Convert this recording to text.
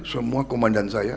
semua komandan saya